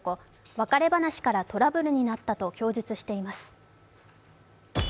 別れ話からトラブルになったと供述しています。